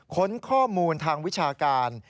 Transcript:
ค้นข้อมูลทางวิชาการ